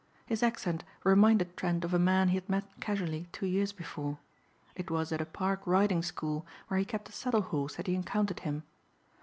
His accent reminded Trent of a man he had met casually two years before. It was at a Park riding school where he kept a saddle horse that he encountered him.